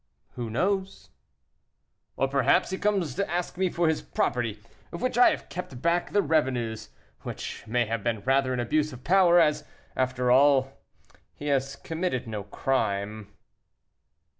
"Who knows?" "Or perhaps he comes to ask me for his property, of which I have kept back the revenues, which may have been rather an abuse of power, as, after all, he has committed no crime."